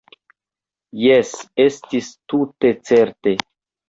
Jes, estis tute certe.